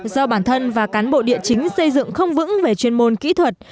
do bản thân và cán bộ địa chính xây dựng không vững về chuyên môn kỹ thuật